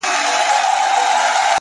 زه به څرنگه مخ اړوم يارانو _